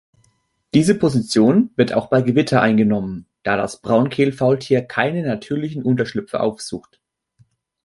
Diese Position wird auch bei Gewitter eingenommen, da das Braunkehl-Faultier keine natürlichen Unterschlüpfe aufsucht.